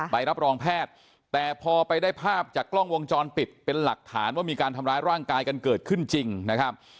ใบรับรองแพทย์แต่พอไปได้ภาพจากกล้องวงจรปิดเป็นหลักฐานว่ามีการทำร้ายร่างกายกันเกิดขึ้นจริงนะครับ